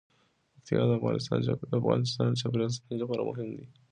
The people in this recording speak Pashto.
پکتیا د افغانستان د چاپیریال ساتنې لپاره مهم دي.